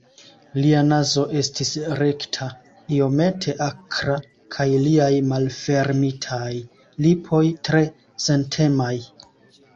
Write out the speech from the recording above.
Lia nazo estis rekta, iomete akra kaj liaj malfermitaj lipoj tre sentemaj.